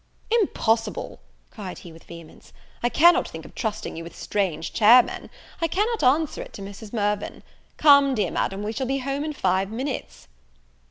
"Impossible," cried he with vehemence, "I cannot think of trusting you with strange chairmen, I cannot answer it to Mrs. Mirvan; come, dear Madam, we shall be home in five minutes."